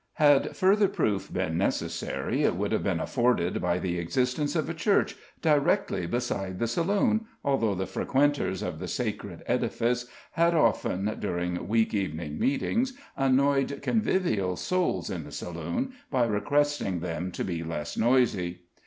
Had further proof been necessary, it would have been afforded by the existence of a church directly beside the saloon, although the frequenters of the sacred edifice had often, during week evening meetings, annoyed convivial souls in the saloon by requesting them to be less noisy.